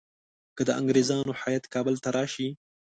که د انګریزانو هیات کابل ته راشي.